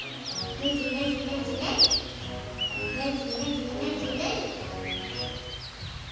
ねじねじねじねじ。